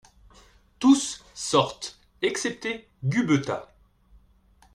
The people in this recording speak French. Tous sortent excepté Gubetta.